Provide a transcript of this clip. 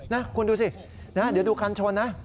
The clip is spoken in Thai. นะคุณดูสิเดี๋ยวดูคันชนนะ